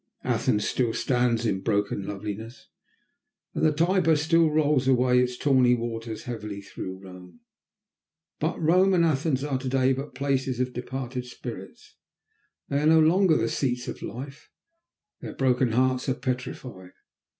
Athens still stands in broken loveliness, and the Tiber still rolls its tawny waters heavily through Rome; but Rome and Athens are to day but places of departed spirits; they are no longer the seats of life, their broken hearts are petrified.